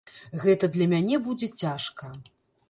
Гэта для мяне будзе цяжка.